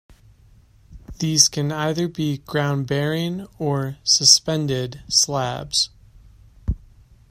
These can either be "ground-bearing" or "suspended" slabs.